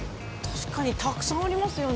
確かにたくさんありますよね。